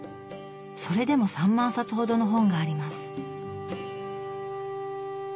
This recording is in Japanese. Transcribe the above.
それでも３万冊ほどの本があります。